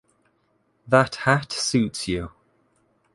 That hat suits you.